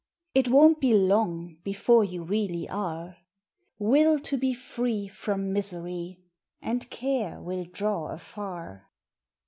It won t be long Before you really are. Will to be free From misery And Care will draw afar.